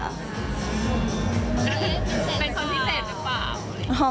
เป็นคนพิเศษหรือเปล่า